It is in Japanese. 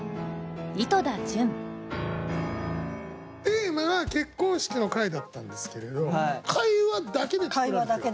テーマが「結婚式」の回だったんですけれど会話だけで作られている。